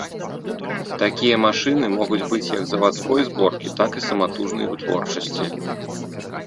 Такія машыны могуць быць як завадской зборкі, так і саматужнай вытворчасці.